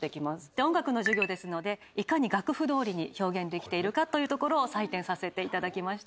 で音楽の授業ですのでいかに楽譜どおりに表現できているかというところを採点させていただきました。